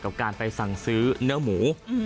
กับการไปสั่งซื้อเนื้อหมู